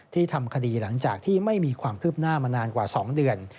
ทำคดีหลังจากที่ไม่มีความคืบหน้ามานานกว่า๒เดือน